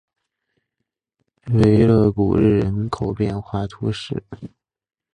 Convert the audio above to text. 维勒古日人口变化图示